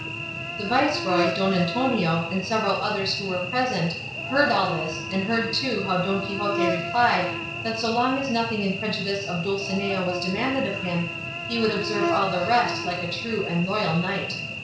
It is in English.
The viceroy, Don Antonio, and several others who were present heard all this, and heard too how Don Quixote replied that so long as nothing in prejudice of Dulcinea was demanded of him, he would observe all the rest like a true and loyal knight.